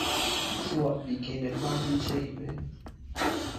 Swart became the party chairman.